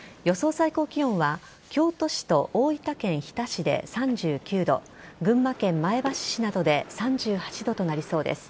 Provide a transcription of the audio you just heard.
最高気温は京都市と大分県日田市で３９度群馬県前橋市などで３８度となりそうです。